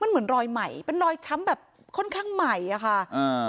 มันเหมือนรอยใหม่เป็นรอยช้ำแบบค่อนข้างใหม่อ่ะค่ะอ่า